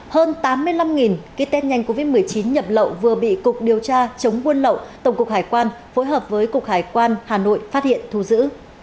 hơn tám mươi năm ký test nhanh covid một mươi chín nhập lậu vừa bị cục điều tra chống buôn lậu tổng cục hải quan phối hợp với cục hải quan hà nội phát hiện thu giữ